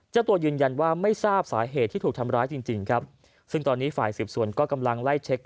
เจ้าตัวยืนยันว่าไม่ทราบสาเหตุที่ถูกทำร้ายจริงครับซึ่งตอนนี้ฝ่ายสืบสวนก็กำลังไล่เช็ค